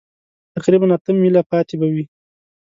تقریباً اته مېله پاتې به وي.